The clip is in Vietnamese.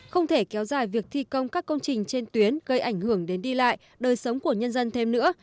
không thể kéo dài việc thi công các công trình trên tuyến gây ảnh hưởng đến đi lại đời sống của nhân dân thêm nữa